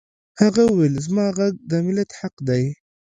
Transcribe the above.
هغه وویل زما غږ د ملت حق دی